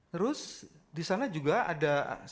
terus di sana juga ada